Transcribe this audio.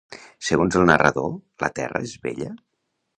Segons el narrador, la Terra és bella?